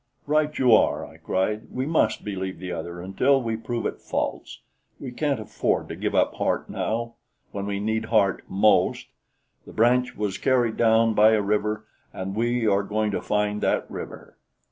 "Right you are!" I cried. "We must believe the other until we prove it false. We can't afford to give up heart now, when we need heart most. The branch was carried down by a river, and we are going to find that river."